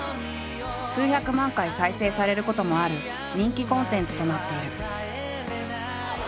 数百万回再生されることもある人気コンテンツとなっている。